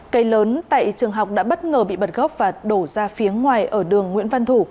cây lớn tại trường học đã bất ngờ bị bật gốc và đổ ra phía ngoài ở đường nguyễn văn thủ